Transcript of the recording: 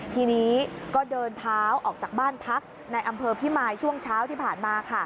ทีนี้ก็เดินเท้าออกจากบ้านพักในอำเภอพิมายช่วงเช้าที่ผ่านมา